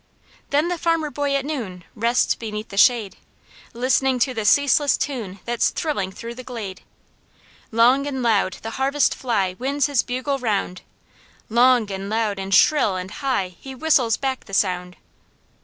"'Then the farmer boy at noon, rests beneath the shade, Listening to the ceaseless tune that's thrilling through the glade. Long and loud the harvest fly winds his bugle round, Long, and loud, and shrill, and high, he whistles back the sound.'"